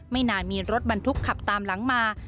นานมีรถบรรทุกขับตามหลังมา